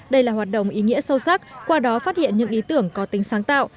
đây là hoạt động ý nghĩa sâu sắc qua đó phát hiện những ý tưởng có tính sáng tạo